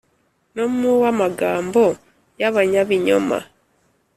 no mu uw’amagambo y’abanyabinyoma.